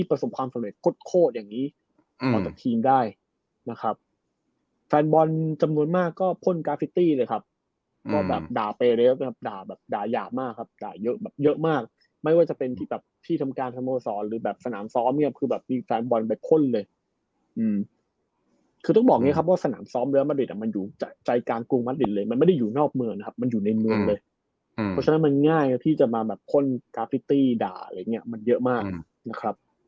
เพราะฉะนั้นมันง่ายที่จะมาพ่นกราฟิตตี้ด่าอะไรอย่างนี้มันเยอะมาก